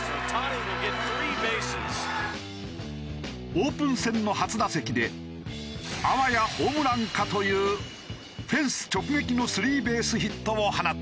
オープン戦の初打席であわやホームランかというフェンス直撃のスリーベースヒットを放った。